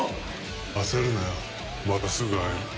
焦るなよまたすぐ会える。